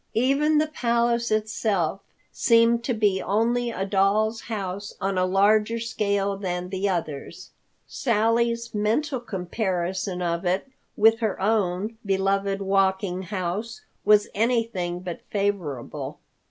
Even the Palace itself seemed to be only a doll's house on a larger scale than the others. Sally's mental comparison of it with her own beloved Walking House was anything but favorable.